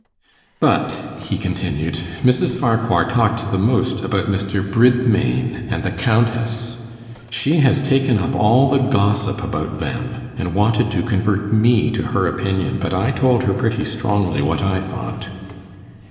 'But,' he continued, 'Mrs. Farquhar talked the most about Mr. Bridmain and the Countess. She has taken up all the gossip about them, and wanted to convert me to her opinion, but I told her pretty strongly what I thought.